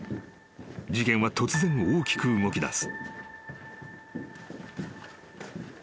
事件は突然大きく動きだす］